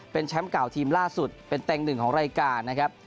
เป็นแชมป์เก่าทีมล่าสุดเป็นเต็งหนึ่งของรายการนะครับ